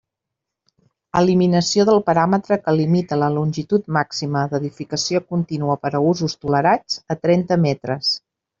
Eliminació del paràmetre que limita la longitud màxima d'edificació contínua per a usos tolerats a trenta metres.